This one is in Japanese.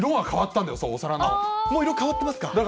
もう色変わってますか。